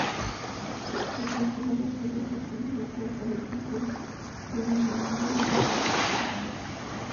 La principal actividad económica es la agricultura, predominando la de secano.